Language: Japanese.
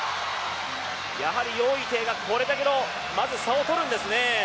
やはり、余依テイがこれだけの差を取るんですね。